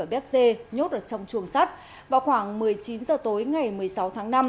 bét dê nhốt ở trong chuồng sắt vào khoảng một mươi chín h tối ngày một mươi sáu tháng năm